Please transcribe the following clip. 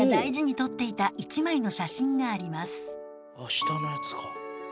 下のやつか。